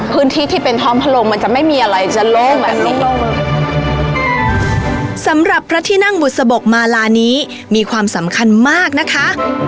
ที่เป็นหอมพลังมันจะไม่มีอะไรจะโล่งแบบนี้โล่งสำหรับพระที่นั่งบุษบกมาลานี้มีความสำคัญมากนะคะ